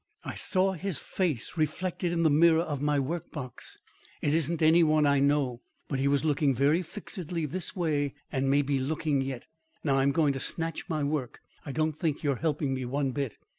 I saw his face reflected in the mirror of my work box. It isn't any one I know, but he was looking very fixedly this way and may be looking yet. Now I am going to snatch my work. I don't think you're helping me one bit."